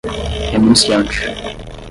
renunciante